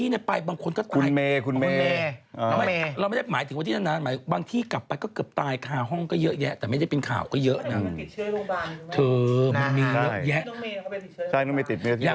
ไม่แล้วเมื่อไหร่จะเข้าเรื่องน้ำเพชรเนี่ย